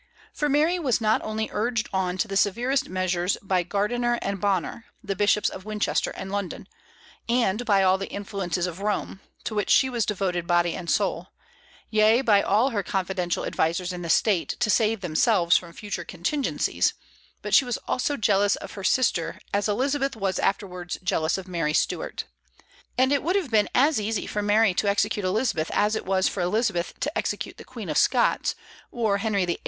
For Mary was not only urged on to the severest measures by Gardiner and Bonner (the bishops of Winchester and London), and by all the influences of Rome, to which she was devoted body and soul, yea, by all her confidential advisers in the State, to save themselves from future contingencies, but she was also jealous of her sister, as Elizabeth was afterwards jealous of Mary Stuart. And it would have been as easy for Mary to execute Elizabeth as it was for Elizabeth to execute the Queen of Scots, or Henry VIII.